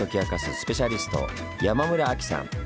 スペシャリスト山村亜希さん。